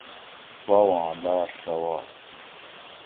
باواں لاڷ رواج